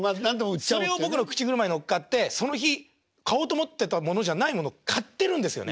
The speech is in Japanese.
それを僕の口車に乗っかってその日買おうと思ってたものじゃないものを買ってるんですよね。